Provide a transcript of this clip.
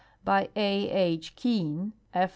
By A. H. Keane, F.